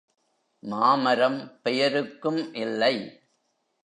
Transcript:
மாமரம் பெயருக்கும் இல்லை.